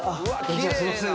すいません。